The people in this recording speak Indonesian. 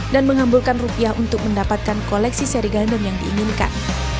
dan mengambulkan rupiah untuk mendapatkan koleksi seri gundam yang diinginkan